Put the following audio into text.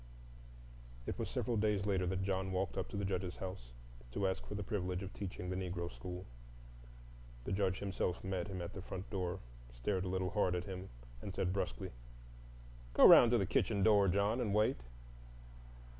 It was several days later that John walked up to the Judge's house to ask for the privilege of teaching the Negro school. The Judge himself met him at the front door, stared a little hard at him, and said brusquely, "Go 'round to the kitchen door, John, and wait."